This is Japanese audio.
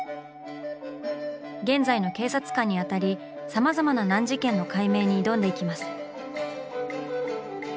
現在の警察官にあたりさまざまな難事件の解明に挑んでいきます。